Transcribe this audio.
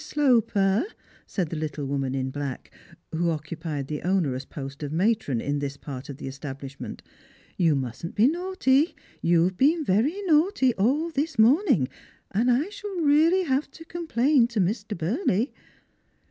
Sloper,'' said the little woman in black, who occupied the onerous post of matron in this part of the establishment. " You musn't be naughty. You've been very naughtv all this morning, and I shall really have to complain to Mr. Burley."